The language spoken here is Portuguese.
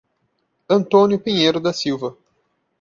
Antônio Pinheiro da Silva